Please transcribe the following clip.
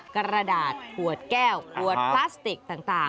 กระดาษขวดแก้วขวดพลาสติกต่าง